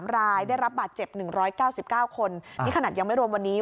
๓รายได้รับบาดเจ็บ๑๙๙คนนี่ขนาดยังไม่รวมวันนี้